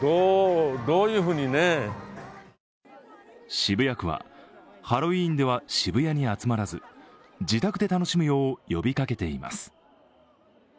渋谷区は、ハロウィーンでは渋谷に集まらず自宅で楽しむよう呼びかけています。